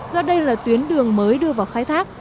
do đây là tuyến đường mới đưa vào khai thác